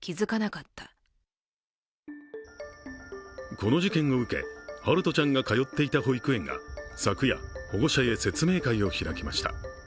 この事件を受け、陽翔ちゃんが通っていた保育園が昨夜、保護者へ説明会を開きました。